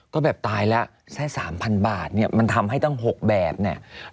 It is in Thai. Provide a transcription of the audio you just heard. ก็แบบตายแล้วแค่๓๐๐บาทเนี่ยมันทำให้ตั้ง๖แบบเนี่ย